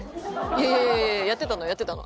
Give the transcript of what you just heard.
いやいやいやいややってたのやってたの。